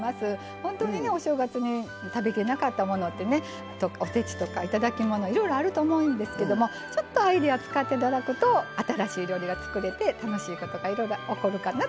本当にねお正月に食べきれなかったものってねおせちとか頂き物いろいろあると思うんですけどもちょっとアイデアを使って頂くと新しい料理が作れて楽しいことがいろいろ起こるかなと思います。